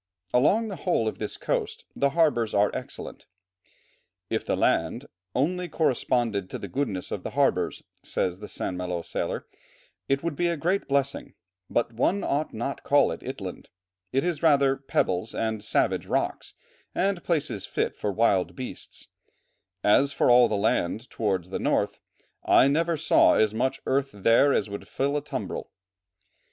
Along the whole of this coast the harbours are excellent: "If the land only corresponded to the goodness of the harbours," says the St. Malo sailor, "it would be a great blessing; but one ought not to call it land; it is rather pebbles and savage rocks and places fit for wild beasts: as for all the land towards the north, I never saw as much earth there as would fill a tumbrel."